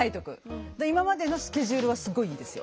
だから今までのスケジュールはすっごいいいですよ。